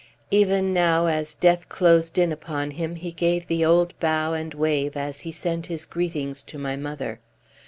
Even now as death closed in upon him, he gave the old bow and wave as he sent his greetings to my mother.